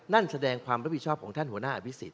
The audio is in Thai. นั่นแสดงความรับผิดชอบของท่านหัวหน้าอภิษฎ